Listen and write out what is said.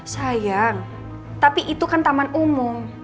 sayang tapi itu kan taman umum